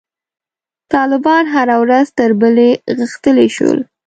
طالبان هره ورځ تر بلې غښتلي شول.